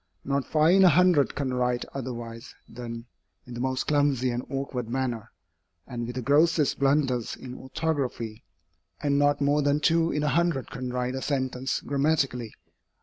Not five in a hundred can write otherwise than in the most clumsy and awkward manner, and with the grossest blunders in orthography, and not more than two in a hundred can write a sentence grammatically.